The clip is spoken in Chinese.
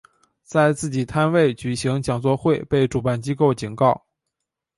在自己摊位举行讲座会被主办机构警告。